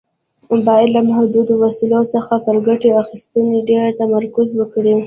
باید له محدودو وسایلو څخه پر ګټې اخیستنې ډېر تمرکز وکړي.